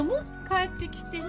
帰ってきてね。